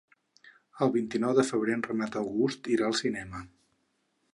El vint-i-nou de febrer en Renat August irà al cinema.